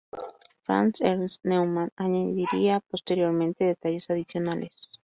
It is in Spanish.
Franz Ernst Neumann añadiría posteriormente detalles adicionales.